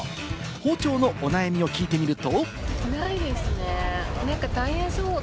包丁のお悩みを聞いてみると。